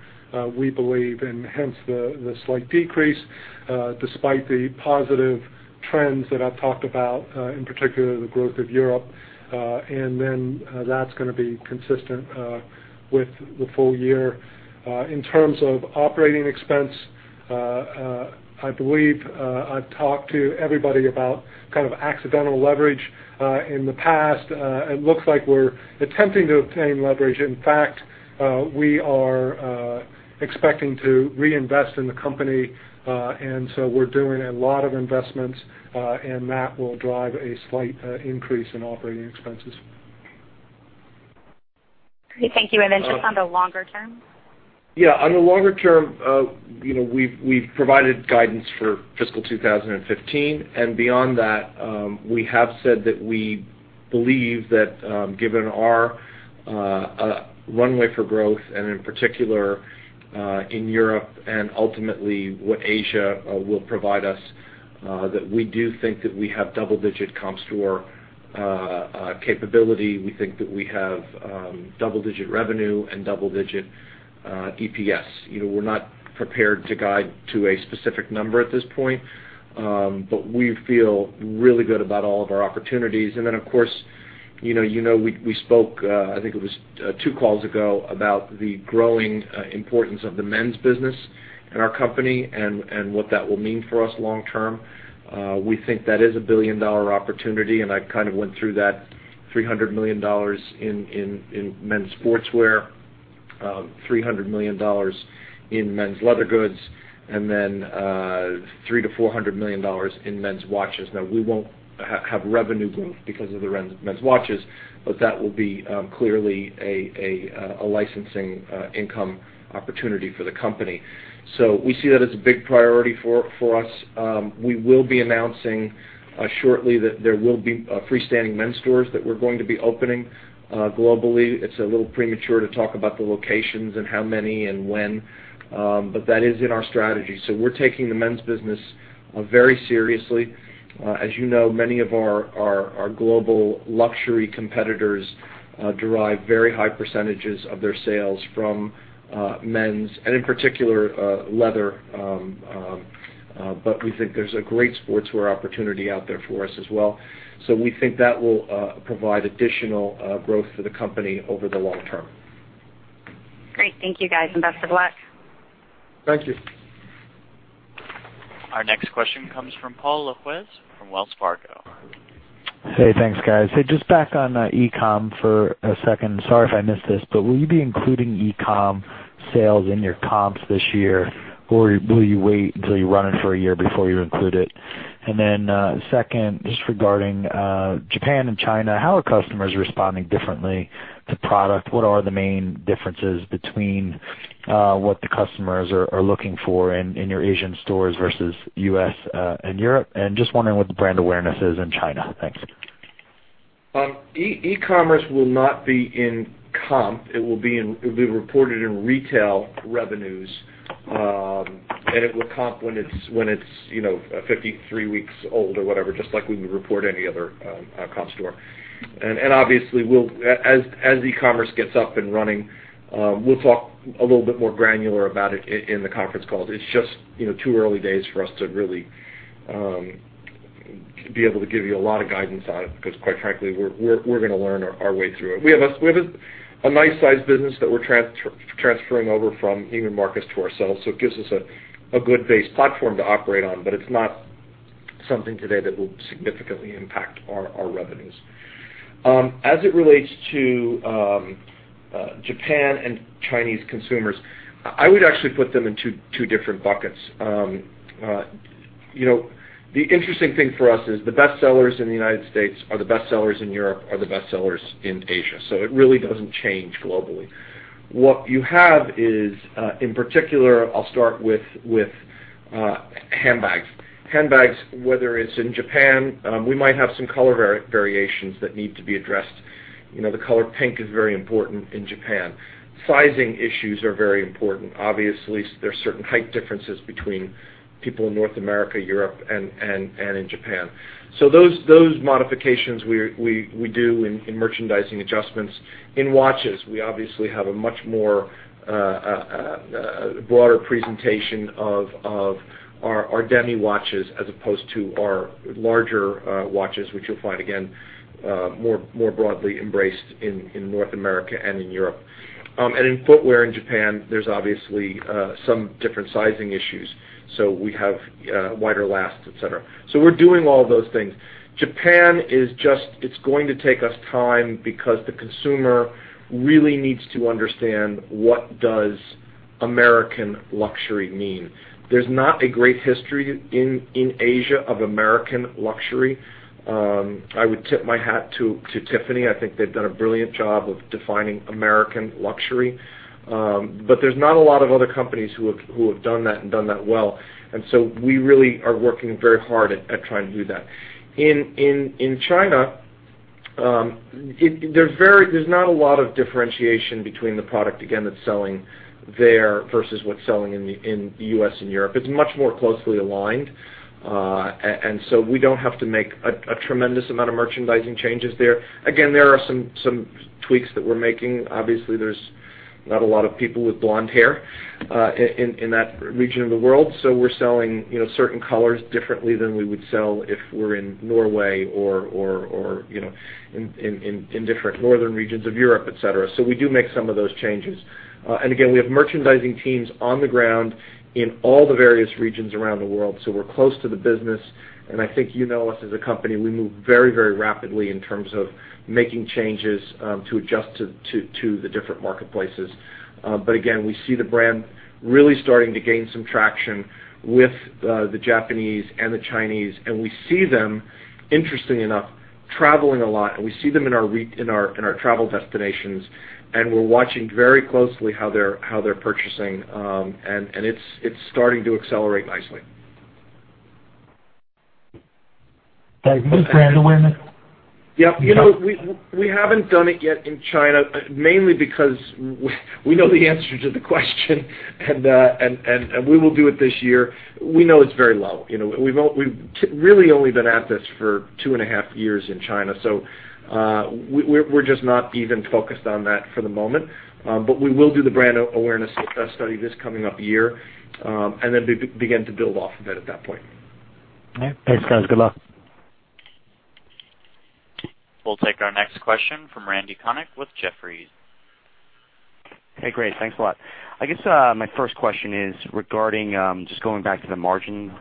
we believe, and hence the slight decrease, despite the positive trends that I've talked about, in particular the growth of Europe. That's going to be consistent with the full year. In terms of operating expense, I believe I've talked to everybody about kind of accidental leverage in the past. It looks like we're attempting to obtain leverage. In fact, we are. We are expecting to reinvest in the company. We're doing a lot of investments, and that will drive a slight increase in operating expenses. Great. Thank you. On the longer term. Yeah. On the longer term, we've provided guidance for fiscal 2015, and beyond that, we have said that we believe that given our runway for growth, and in particular, in Europe and ultimately what Asia will provide us, that we do think that we have double-digit comps to our capability. We think that we have double-digit revenue and double-digit EPS. We're not prepared to guide to a specific number at this point, but we feel really good about all of our opportunities. Of course, you know we spoke, I think it was two calls ago, about the growing importance of the men's business in our company and what that will mean for us long term. We think that is a billion-dollar opportunity, and I kind of went through that $300 million in men's sportswear, $300 million in men's leather goods, and $300 million-$400 million in men's watches. We won't have revenue growth because of the men's watches, but that will be clearly a licensing income opportunity for the company. We see that as a big priority for us. We will be announcing shortly that there will be freestanding men's stores that we're going to be opening globally. It's a little premature to talk about the locations and how many and when. That is in our strategy. We're taking the men's business very seriously. As you know, many of our global luxury competitors derive very high percentages of their sales from men's, and in particular, leather. We think there's a great sportswear opportunity out there for us as well. We think that will provide additional growth for the company over the long term. Great. Thank you guys, and best of luck. Thank you. Our next question comes from Paul Lejuez from Wells Fargo. Hey, thanks guys. Hey, just back on e-com for a second. Sorry if I missed this, but will you be including e-com sales in your comps this year, or will you wait until you run it for a year before you include it? Second, just regarding Japan and China, how are customers responding differently to product? What are the main differences between what the customers are looking for in your Asian stores versus U.S. and Europe? Just wondering what the brand awareness is in China. Thanks. E-commerce will not be in comp. It will be reported in retail revenues. It will comp when it's 53 weeks old or whatever, just like we would report any other comp store. Obviously, as e-commerce gets up and running, we'll talk a little bit more granular about it in the conference call. It's just too early days for us to really be able to give you a lot of guidance on it, because quite frankly, we're going to learn our way through it. We have a nice size business that we're transferring over from Neiman Marcus to ourselves, so it gives us a good base platform to operate on. It's not something today that will significantly impact our revenues. As it relates to Japan and Chinese consumers, I would actually put them in two different buckets. The interesting thing for us is the best sellers in the United States are the best sellers in Europe, are the best sellers in Asia. It really doesn't change globally. What you have is, in particular, I'll start with handbags. Handbags, whether it's in Japan, we might have some color variations that need to be addressed. The color pink is very important in Japan. Sizing issues are very important. Obviously, there's certain height differences between people in North America, Europe, and in Japan. Those modifications we do in merchandising adjustments. In watches, we obviously have a much more broader presentation of our demi watches as opposed to our larger watches, which you'll find again, more broadly embraced in North America and in Europe. In footwear in Japan, there's obviously some different sizing issues. We have wider lasts, et cetera. We're doing all of those things. Japan is it's going to take us time because the consumer really needs to understand what does American luxury mean. There's not a great history in Asia of American luxury. I would tip my hat to Tiffany. I think they've done a brilliant job of defining American luxury. There's not a lot of other companies who have done that and done that well. We really are working very hard at trying to do that. In China, there's not a lot of differentiation between the product, again, that's selling there versus what's selling in the U.S. and Europe. It's much more closely aligned. We don't have to make a tremendous amount of merchandising changes there. Again, there are some tweaks that we're making. Obviously, there's not a lot of people with blonde hair in that region of the world, we're selling certain colors differently than we would sell if we're in Norway or in different northern regions of Europe, et cetera. We do make some of those changes. Again, we have merchandising teams on the ground in all the various regions around the world. We're close to the business, and I think you know us as a company. We move very rapidly in terms of making changes to adjust to the different marketplaces. Again, we see the brand really starting to gain some traction with the Japanese and the Chinese, and we see them, interestingly enough, traveling a lot, and we see them in our travel destinations, and we're watching very closely how they're purchasing. It's starting to accelerate nicely. Dave, do you do brand awareness? Yeah. We haven't done it yet in China, mainly because we know the answer to the question, and we will do it this year. We know it's very low. We've really only been at this for two and a half years in China, so we're just not even focused on that for the moment. We will do the brand awareness study this coming up year, and then begin to build off of it at that point. Okay. Thanks, guys. Good luck. We'll take our next question from Randal Konik with Jefferies. Hey, great, thanks a lot. My first question is regarding, just going back to the margin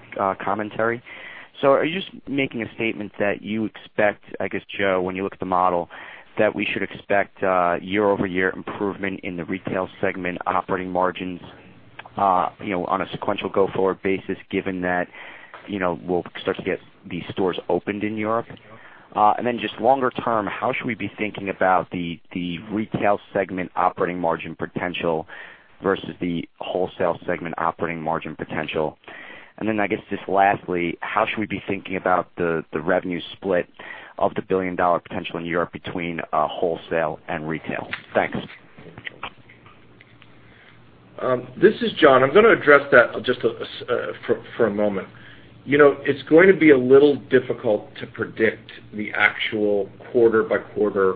commentary. Are you just making a statement that you expect, I guess, Joe, when you look at the model, that we should expect year-over-year improvement in the retail segment operating margins on a sequential go-forward basis, given that we'll start to get these stores opened in Europe? Just longer term, how should we be thinking about the retail segment operating margin potential versus the wholesale segment operating margin potential? I guess, just lastly, how should we be thinking about the revenue split of the $1 billion potential in Europe between wholesale and retail? Thanks. This is John. I'm going to address that just for a moment. It's going to be a little difficult to predict the actual quarter-by-quarter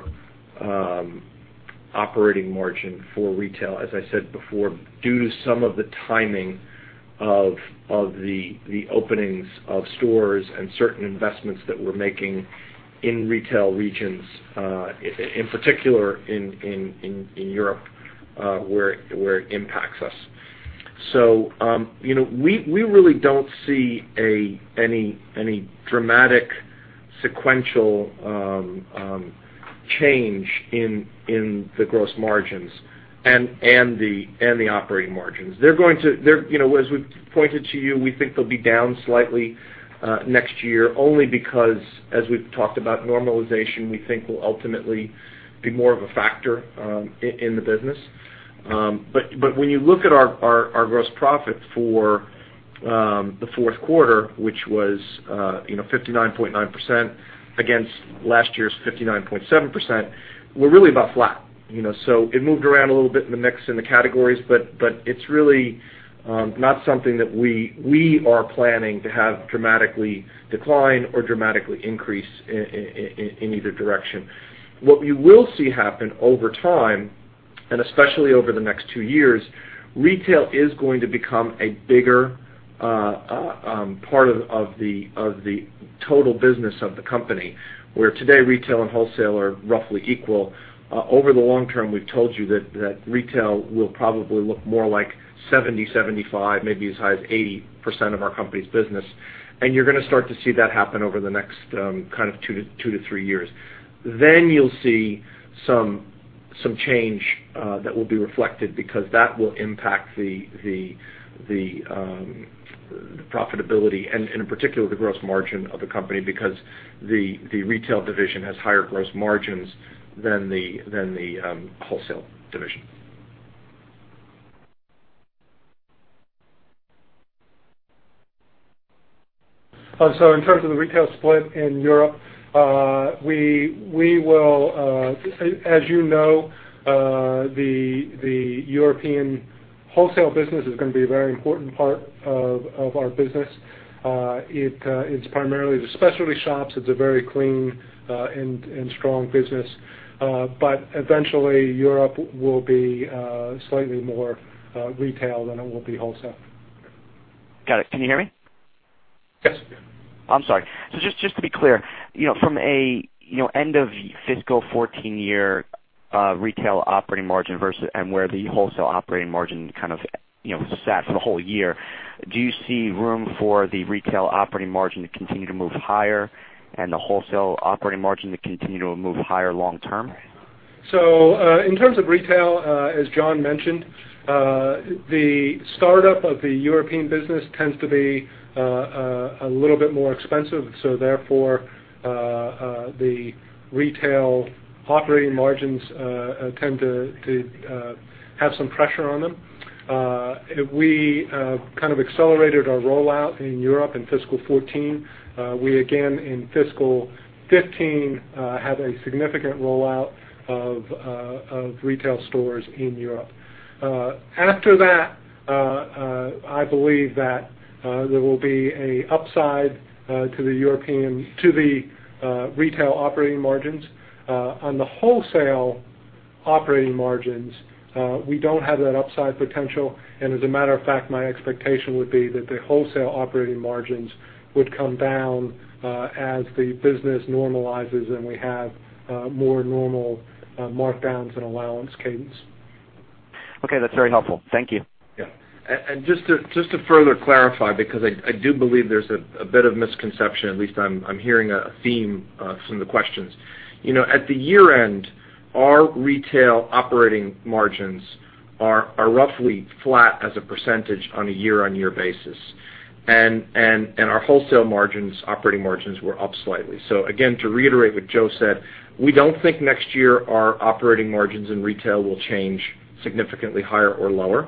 operating margin for retail, as I said before, due to some of the timing of the openings of stores and certain investments that we're making in retail regions, in particular, in Europe, where it impacts us. We really don't see any dramatic sequential change in the gross margins and the operating margins. As we've pointed to you, we think they'll be down slightly next year, only because as we've talked about normalization, we think will ultimately be more of a factor in the business. When you look at our gross profit for the fourth quarter, which was 59.9% against last year's 59.7%, we're really about flat. It moved around a little bit in the mix in the categories, but it's really not something that we are planning to have dramatically decline or dramatically increase in either direction. What we will see happen over time, and especially over the next two years, retail is going to become a bigger part of the total business of the company. Where today, retail and wholesale are roughly equal. Over the long term, we've told you that retail will probably look more like 70%, 75%, maybe as high as 80% of our company's business. You're going to start to see that happen over the next two to three years. You'll see some change that will be reflected because that will impact the profitability and particularly the gross margin of the company because the retail division has higher gross margins than the wholesale division. In terms of the retail split in Europe, as you know, the European wholesale business is going to be a very important part of our business. It's primarily the specialty shops. It's a very clean and strong business. Eventually, Europe will be slightly more retail than it will be wholesale. Got it. Can you hear me? Yes. I'm sorry. Just to be clear, from an end of fiscal 2014 year retail operating margin versus and where the wholesale operating margin kind of sat for the whole year, do you see room for the retail operating margin to continue to move higher and the wholesale operating margin to continue to move higher long term? In terms of retail, as John mentioned, the startup of the European business tends to be a little bit more expensive. Therefore, the retail operating margins tend to have some pressure on them. We kind of accelerated our rollout in Europe in fiscal 2014. We again, in fiscal 2015, have a significant rollout of retail stores in Europe. After that, I believe that there will be an upside to the retail operating margins. On the wholesale operating margins, we don't have that upside potential. As a matter of fact, my expectation would be that the wholesale operating margins would come down as the business normalizes and we have more normal markdowns and allowance cadence. Okay. That's very helpful. Thank you. Yeah. Just to further clarify, because I do believe there's a bit of misconception. At least I'm hearing a theme from the questions. At the year-end, our retail operating margins are roughly flat as a percentage on a year-on-year basis. Our wholesale margins, operating margins, were up slightly. Again, to reiterate what Joe said, we don't think next year our operating margins in retail will change significantly higher or lower.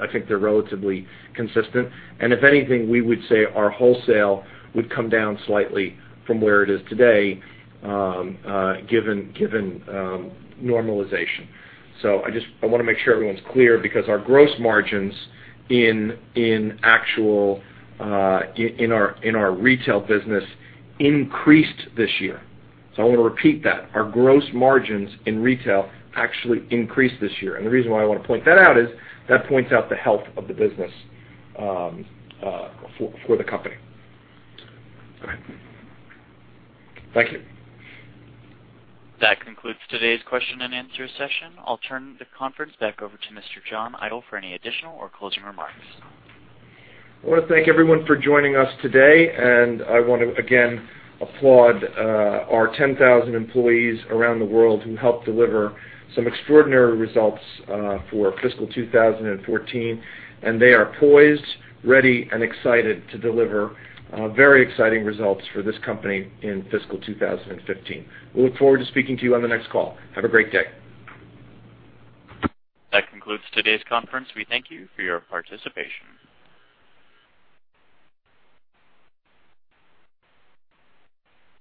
I think they're relatively consistent. If anything, we would say our wholesale would come down slightly from where it is today given normalization. I want to make sure everyone's clear because our gross margins in our retail business increased this year. I want to repeat that. Our gross margins in retail actually increased this year. The reason why I want to point that out is that points out the health of the business for the company. Go ahead. Thank you. That concludes today's question and answer session. I'll turn the conference back over to Mr. John Idol for any additional or closing remarks. I want to thank everyone for joining us today, and I want to again applaud our 10,000 employees around the world who helped deliver some extraordinary results for fiscal 2014, and they are poised, ready, and excited to deliver very exciting results for this company in fiscal 2015. We look forward to speaking to you on the next call. Have a great day. That concludes today's conference. We thank you for your participation.